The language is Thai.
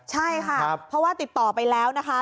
ใช่ค่ะเพราะว่าติดต่อไปแล้วนะคะ